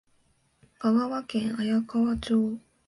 香川県綾川町